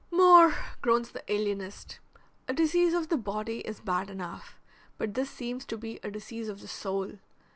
"More," groans the alienist. "A disease of the body is bad enough, but this seems to be a disease of the soul.